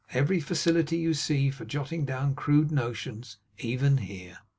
Every facility you see for jotting down crude notions, even here.